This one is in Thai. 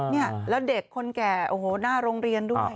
เนี่ยแล้วเด็กคนแก่โอ้โหหน้าโรงเรียนด้วย